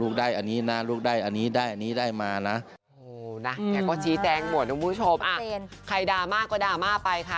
ใครดราม่าก็ดราม่าไปค่ะ